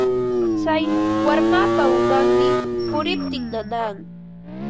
Tsay warmapa umanmi puriptin nanan.